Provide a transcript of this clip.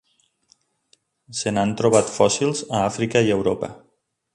Se n'han trobat fòssils a Àfrica i Europa.